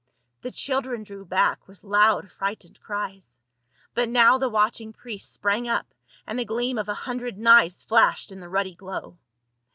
The children drew back with loud frightened cries ; but now the watching priests sprang up and the gleam of a hundred knives flashed in the ruddy glow.